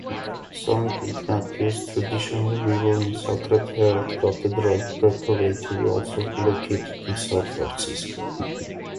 Saint Ignatius' traditional rival is Sacred Heart Cathedral Preparatory, also located in San Francisco.